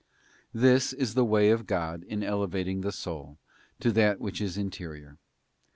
This is the way of God in elevating the soul to that which is interior.